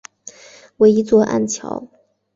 为一座暗礁。